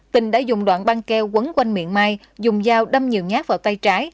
tình đã dùng đoạn băng keo quấn quanh miệng mai dùng dao đâm nhiều nhát vào tay trái